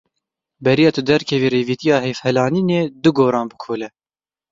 Beriya tu derkevî rêvîtiya heyfhilanînê du goran bikole.